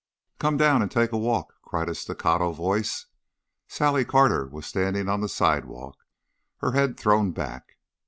"Come down and take a walk," cried a staccato voice. Sally Carter was standing on the sidewalk, her head thrown back.